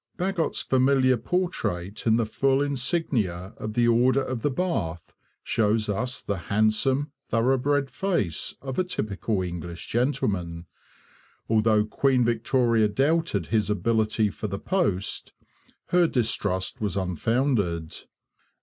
Bagot's familiar portrait in the full insignia of the Order of the Bath shows us the handsome, thoroughbred face of a typical English gentleman. Although Queen Victoria doubted his ability for the post, her distrust was unfounded.